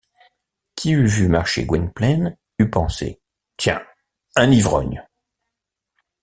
Qui eût vu marcher Gwynplaine eût pensé: Tiens! un ivrogne !